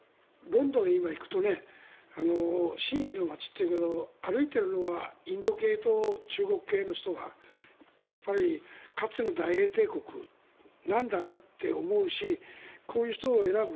ロンドンに行くと紳士の街というけど歩いているのはインド系と中国系の人でかつての大英帝国なんだなって思うしこういう人を選ぶ。